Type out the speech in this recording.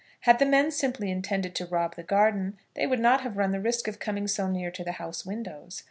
Had the men simply intended to rob the garden, they would not have run the risk of coming so near to the house windows.